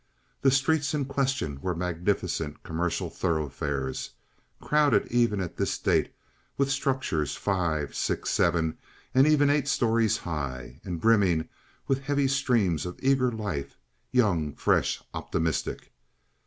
The streets in question were magnificent commercial thoroughfares, crowded even at this date with structures five, six, seven, and even eight stories high, and brimming with heavy streams of eager life—young, fresh, optimistic.